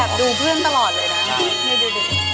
แต่ว่าเบอร์หนึ่งทำไมหลังค่อมขนาดนั้น